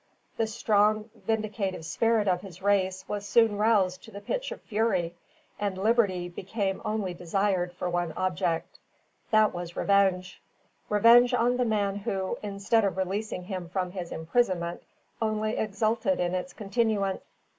The strong, vindictive spirit of his race was soon roused to the pitch of fury, and liberty became only desired for one object. That was revenge, revenge on the man who, instead of releasing him from his imprisonment, only exulted in its continuance.